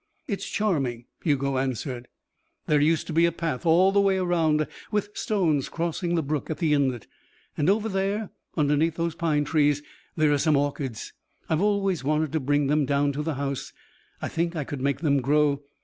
"It's charming," Hugo answered. "There used to be a path all the way around with stones crossing the brook at the inlet. And over there, underneath those pine trees, there are some orchids. I've always wanted to bring them down to the house. I think I could make them grow.